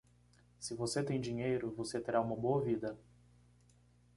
Se você tem dinheiro, você terá uma boa vida.